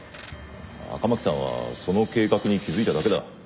赤巻さんはその計画に気付いただけだ。